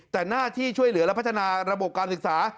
แต่หน้าที่ช่วยเหลือและพัฒนาระบบการศึกษา